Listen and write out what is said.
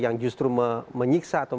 yang justru menyiksa atau